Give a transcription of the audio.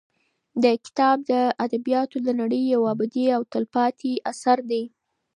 دا کتاب د ادبیاتو د نړۍ یو ابدي او تلپاتې اثر دی.